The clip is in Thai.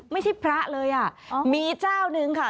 ไม่ใช่พระเลยอ่ะมีเจ้านึงค่ะ